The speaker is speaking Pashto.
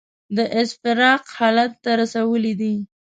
د استفراق حالت ته رسولي دي.